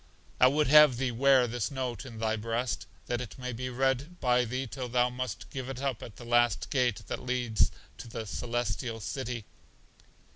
I would have thee wear this note in thy breast, that it may be read by thee till thou must give it up at the last gate that leads to The Celestial City.